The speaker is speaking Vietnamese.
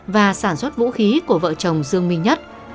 và sản xuất vũ khí của vợ chồng dương minh nhất